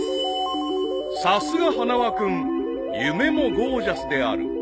［さすが花輪君夢もゴージャスである］